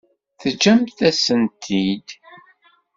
Teǧǧam-asen-tent-id?